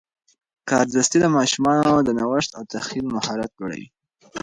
کاردستي د ماشومانو د نوښت او تخیل مهارت لوړوي.